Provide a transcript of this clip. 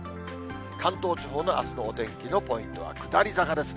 関東地方のあすのお天気のポイントは、下り坂ですね。